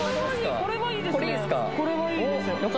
これいいですか？